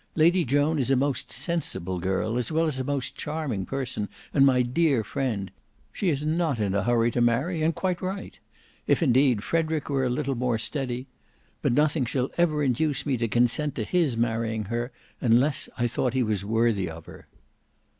Lady Joan is a most sensible girl, as well as a most charming person and my dear friend. She is not in a hurry to marry, and quite right. If indeed Frederick were a little more steady—but nothing shall ever induce me to consent to his marrying her, unless I thought he was worthy of her."